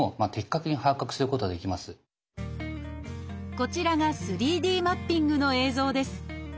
こちらが３Ｄマッピングの映像です。